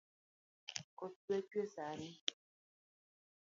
Koth dwa chwee sani